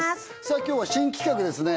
さあ今日は新企画ですね